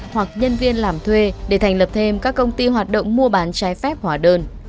hoặc nhân viên làm thuê để thành lập thêm các công ty hoạt động mua bán trái phép hóa đơn